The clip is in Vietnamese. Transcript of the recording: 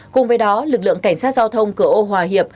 cùng với đó lực lượng cảnh sát giao thông cửa ô hòa hiệp